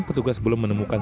petugas belum menemukan